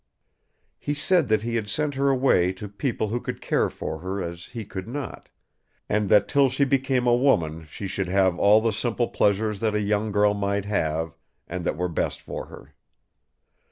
"He said that he had sent her away to people who would care for her as he could not; and that till she became a woman she should have all the simple pleasures that a young girl might have, and that were best for her.